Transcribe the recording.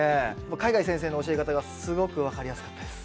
海外先生の教え方がすごく分かりやすかったです。